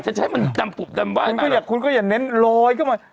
จะใช้มันดำปุดดำว่ายมาคุณก็อย่าคุณก็อย่าเน้นลอยเข้ามา